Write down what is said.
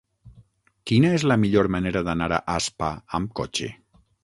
Quina és la millor manera d'anar a Aspa amb cotxe?